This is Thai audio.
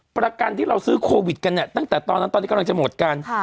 ประกันที่เราซื้อโควิดกันเนี่ยตั้งแต่ตอนนั้นตอนนี้กำลังจะหมดกัน